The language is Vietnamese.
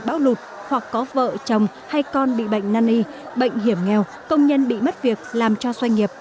bão lụt hoặc có vợ chồng hay con bị bệnh năn y bệnh hiểm nghèo công nhân bị mất việc làm cho doanh nghiệp